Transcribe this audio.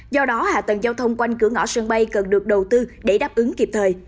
do đó hạ tầng giao thông quanh cửa ngõ sân bay cần được đầu tư để đáp ứng kịp thời